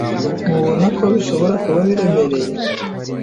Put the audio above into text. Ntubona ko bishobora kuba biremereye?